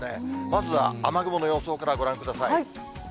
まずは雨雲の予想からご覧ください。